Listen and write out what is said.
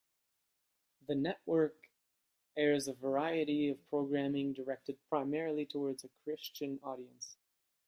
The network airs a variety of programming directed primarily toward a Christian audience.